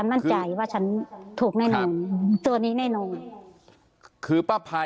ถ้าพี่ถ้าพี่ถ้าพี่ถ้าพี่ถ้าพี่ถ้าพี่ถ้าพี่